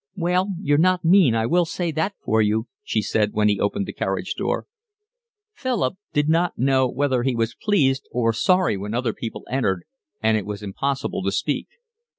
"Well, you're not mean, I will say that for you," she said, when he opened the carriage door. Philip did not know whether he was pleased or sorry when other people entered and it was impossible to speak.